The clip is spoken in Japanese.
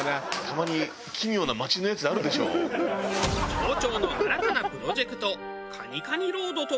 町長の新たなプロジェクト蟹蟹ロードとは？